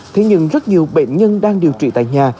thế nhưng rất nhiều bệnh nhân đang điều trị tại nhà